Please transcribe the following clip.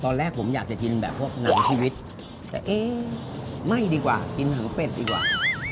ตอนแรกผมอยากจะกินแบบพวกหนังชีวิตแต่เอ๊ะไม่ดีกว่ากินหางเป็ดดีกว่า